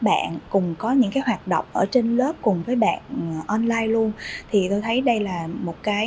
bạn cùng có những hoạt động ở trên lớp cùng với bạn online luôn thì tôi thấy đây là một khó khăn